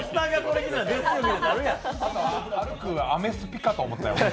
歩くアメスピかと思ったよ。